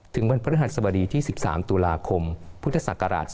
ถึงวันพระธรรมดีที่๑๓ตุลาคมพศ๒๕๕๙